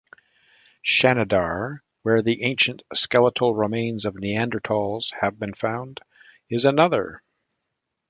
Shanidar, where the ancient skeletal remains of Neanderthals have been found, is another.